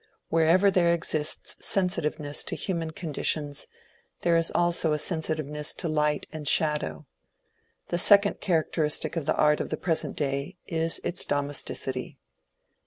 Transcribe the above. Wherever there exists sensitiveness to human conditions there is also a sensi tiveness to light and shadow. The second characteristic of the art of the present day is its domesticity.